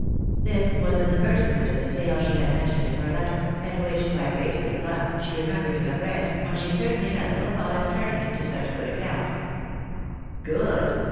This was an advertisement of the sale she had mentioned in her letter, and which, by great good luck, she remembered to have read, when she certainly had little thought of turning it to such good account. "Good!